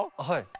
はい。